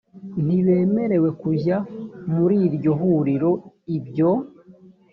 ntibemerewe kujya muri iryo huriro ibyo